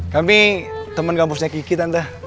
kami teman kampusnya kiki tante